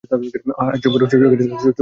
আঃ চুপ করো, চুপ করো অন্তু।